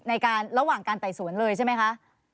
ในการระหว่างการต่ายสวนเลยใช่ไหมคะ